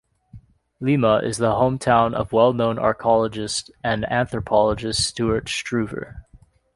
Lima is the hometown of well-known archaeologist and anthropologist Stuart Struever.